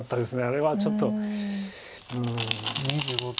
あれはちょっとうん。